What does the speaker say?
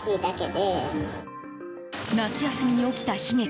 夏休みに起きた悲劇。